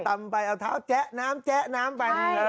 จุ่มตำไปเอาเท้าแจ๊ะน้ำแจ๊ะน้ำไป